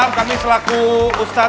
buat sopri ya